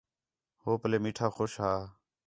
ہو پلے میٹھا خوش ہا